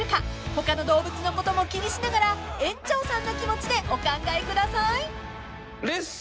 ［他の動物のことも気にしながら園長さんの気持ちでお考えください］